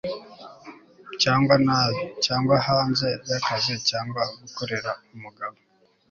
cyangwa nabi. cyangwa hanze yakazi cyangwa gukorera umugabo